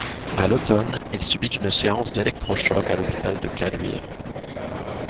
À l'automne, il subit une séance d'électro-chocs à l'hôpital de Caluire.